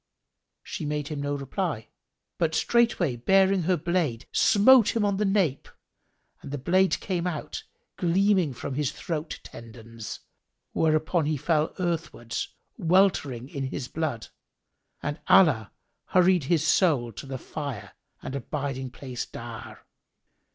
She made him no reply, but straightway baring her blade, smote him on the nape and the blade came out gleaming from his throat tendons, whereupon he fell earthwards, weltering in his blood, and Allah hurried his soul to the Fire and abiding place dire.